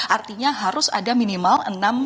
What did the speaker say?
artinya harus ada minimal tujuh lima